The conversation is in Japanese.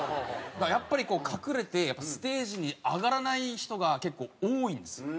やっぱり隠れてステージに上がらない人が結構多いんですよ。